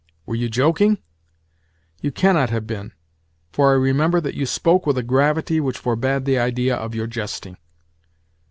Were you joking? You cannot have been, for I remember that you spoke with a gravity which forbade the idea of your jesting."